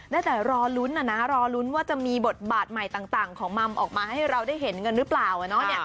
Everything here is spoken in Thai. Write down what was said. ได้แต่รอลุ้นนะนะรอลุ้นว่าจะมีบทบาทใหม่ต่างของมัมออกมาให้เราได้เห็นกันหรือเปล่า